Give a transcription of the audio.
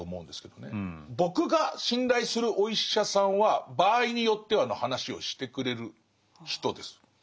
僕が信頼するお医者さんは場合によってはの話をしてくれる人です。